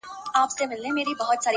پر دغه لار که مي قدم کښېښود پاچا به سم